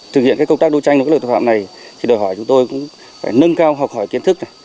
thực hiện công tác đấu tranh với các loại tội phạm này thì đòi hỏi chúng tôi cũng phải nâng cao học hỏi kiến thức